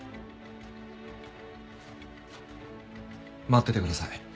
待っててください。